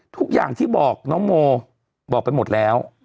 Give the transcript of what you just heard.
ทุกอย่างที่บอกน้องโมบอกไปหมดแล้ว